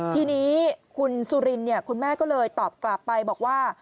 ทีนี้คุณสุรินคุณแม่ก็เลยตอบกลับไปบอกว่า